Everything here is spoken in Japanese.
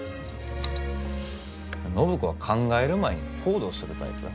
暢子は考える前に行動するタイプ。